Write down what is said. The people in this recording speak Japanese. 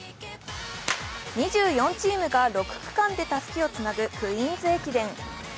２４チームが６区間でたすきをつなぐクイーンズ駅伝。